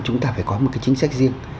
chúng ta phải có một cái chính sách riêng